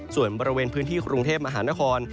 ส่วนบริเวณพื้นที่กรุงเทพมหานคร